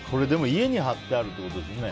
家に貼ってあるということですよね。